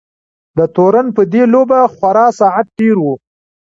د تورن په دې لوبه خورا ساعت تېر وو.